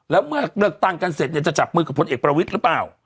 แล้วเมื่อเลือกตั้งกันเสร็จเนี่ยจะจับมือกับพลเอกประวิทย์หรือเปล่า